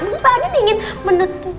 mungkin mbak andin ingin menetuk